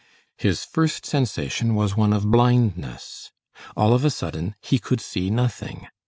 His first sensation was one of blindness. All of a sudden, he could see nothing.